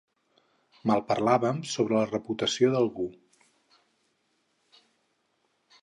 Malparlàvem sobre la reputació d'algú.